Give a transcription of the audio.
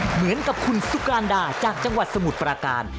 เหมือนกับคุณสุกรานดาจากจังหวัดสมุทรปราการ